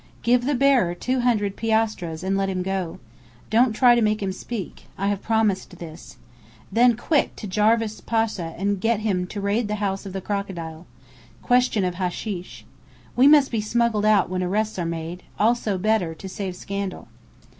Give the bearer two hundred piastres and let him go. Don't try to make him speak. I have promised this. Then quick to Jarvis Pasha and get him to raid the House of the Crocodile. Question of hasheesh. We must be smuggled out when arrests are made also Bedr, to save scandal.